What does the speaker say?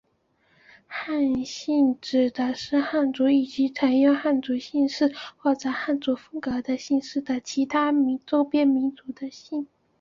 汉姓指的是汉民族以及采用汉族姓氏或汉族风格的姓氏的其他周边民族的姓。